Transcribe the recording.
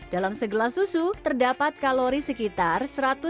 dalam segelas susu terdapat kalori sekitar seratus